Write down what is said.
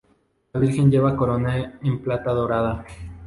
La Virgen lleva corona en plata dorada.